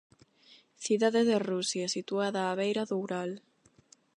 Cidade de Rusia, situada á beira do Ural.